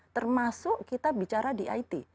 termasuk kita bicara di it